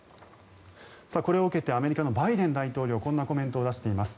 これを受けてアメリカのバイデン大統領こんなコメントを出しています。